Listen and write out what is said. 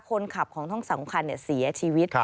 คนขับของท่องสังคัญเนี่ยเสียชีวิต